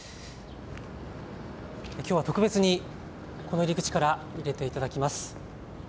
きょうは特別にこの入り口から入れていただきます。